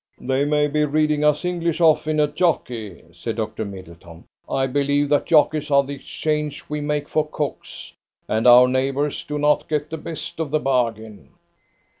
"They may be reading us English off in a jockey!" said Dr. Middleton. "I believe that jockeys are the exchange we make for cooks; and our neighbours do not get the best of the bargain."